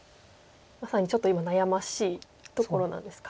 まさにちょっと今悩ましいところなんですか。